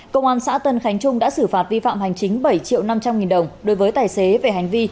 công an xã tân khánh trung đã xử phạt vi phạm hành chính bảy triệu năm trăm linh nghìn đồng đối với tài xế về hành vi